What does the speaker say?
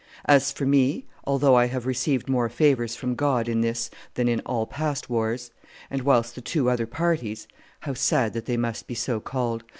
As for me, although I have received more favors from God in this than in all past wars, and, whilst the two other parties (how sad that they must be so called!)